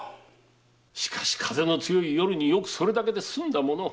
しかし風の強い夜によくそれだけで済んだもの。